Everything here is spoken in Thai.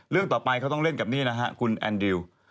เรื่องต่อไปเขาต้องเล่นกับนี่นะฮะคุณแอนดิว